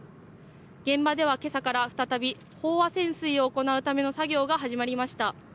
現場では今朝から再び、飽和潜水を行うための作業が始まりました。